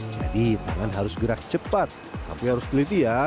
jadi tangan harus gerak cepat tapi harus peliti ya